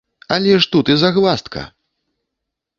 Але ж тут і загваздка!